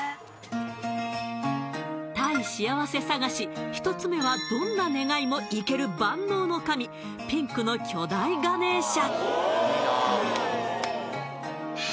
タイ幸せ探し１つ目はどんな願いもいける万能の神ピンクの巨大ガネーシャ